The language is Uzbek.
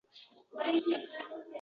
Iloji boricha himoya qiling